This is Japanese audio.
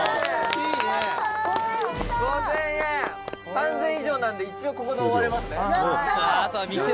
「３０００円以上なので一応ここで終われますね」